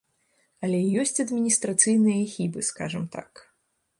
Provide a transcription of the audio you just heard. Але ёсць адміністрацыйныя хібы, скажам так.